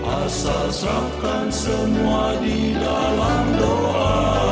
asal samkan semua di dalam doa